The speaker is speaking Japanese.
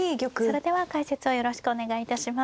それでは解説をよろしくお願いいたします。